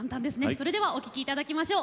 それではお聴きいただきましょう。